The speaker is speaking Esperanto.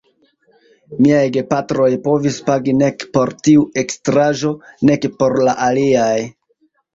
Miaj gepatroj povis pagi nek por tiu ekstraĵo, nek por la aliaj.